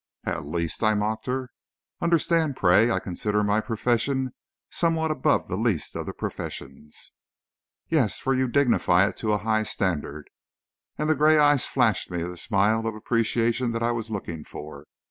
"At least!" I mocked her; "understand, pray, I consider my profession somewhat above the least of the professions!" "Yes, for you dignify it to a high standing," and the gray eyes flashed me the smile of appreciation that I was looking for.